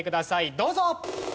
どうぞ。